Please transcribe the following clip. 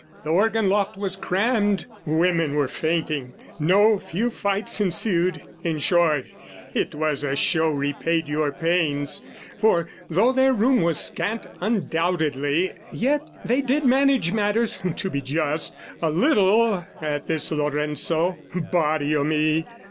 The organ loft was crammed, Women were fainting, no few fights ensued, In short, it was a show repaid your pains: For, though their room was scant undoubtedly, Yet they did manage matters, to be just, A little at this Lorenzo. Body o'me!